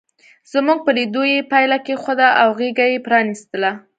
زموږ په لیدو یې پياله کېښوده او غېږه یې پرانستله.